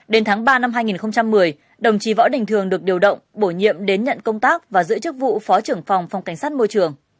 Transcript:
đến tháng ba năm hai nghìn một mươi đồng chí võ đình thường được điều động bổ nhiệm đến nhận công tác và giữ chức vụ phó trưởng phòng phòng cảnh sát môi trường